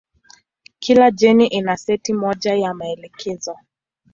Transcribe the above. Kila jeni ina seti moja ya maelekezo.